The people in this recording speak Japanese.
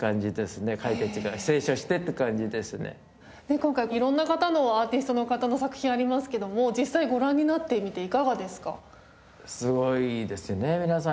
今回色んな方のアーティストの方の作品ありますけども実際ご覧になってみていかがですか？